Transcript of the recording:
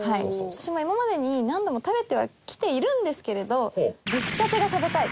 私も今までに何度も食べてはきているんですけれど出来たてが食べたい。